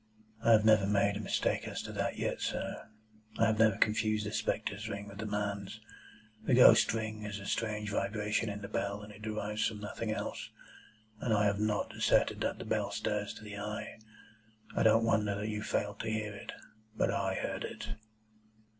"I have never made a mistake as to that yet, sir. I have never confused the spectre's ring with the man's. The ghost's ring is a strange vibration in the bell that it derives from nothing else, and I have not asserted that the bell stirs to the eye. I don't wonder that you failed to hear it. But I heard it."